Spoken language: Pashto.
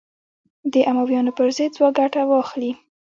د امویانو پر ضد ځواک ګټه واخلي